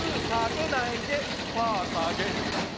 さげないでパーさげる。